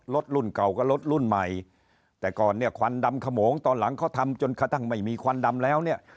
รุ่นเก่ากับรถรุ่นใหม่แต่ก่อนเนี่ยควันดำขโมงตอนหลังเขาทำจนกระทั่งไม่มีควันดำแล้วเนี่ย